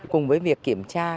cùng với việc kiểm tra